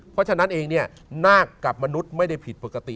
เพราะฉะนั้นเองเนี่ยนาคกับมนุษย์ไม่ได้ผิดปกติ